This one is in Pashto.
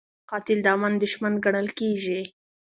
قاتل د امن دښمن ګڼل کېږي